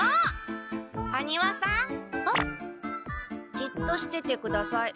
じっとしててください。